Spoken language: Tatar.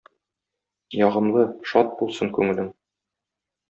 Ягымлы, шат булсын күңелең.